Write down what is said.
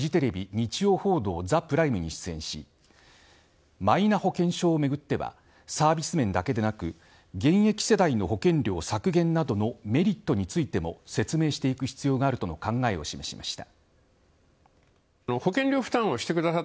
日曜報道ＴＨＥＰＲＩＭＥに出演しマイナ保険証をめぐってはサービス面だけでなく現役世代の保険料削減などのメリットについても説明していく必要があるとの考えを示しました。